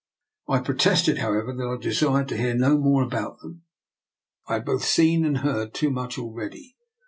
'* I protested, however, that I desired to hear no more about them; I had both seen and heard too much already.